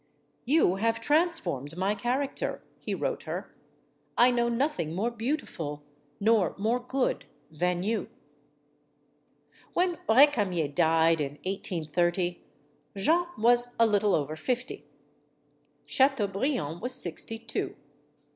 "You have transformed my character," he wrote her. "I know nothing more beautiful nor more good than you." When Recamier died, in 1830, Jeanne was a little over fifty. Chateaubriand was sixty two.